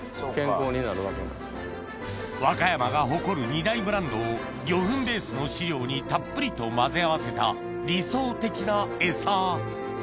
和歌山が誇る２大ブランドを魚粉ベースの飼料にたっぷりと混ぜ合わせた理想的なエサ